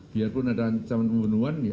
biarpun ada ancaman pembunuhan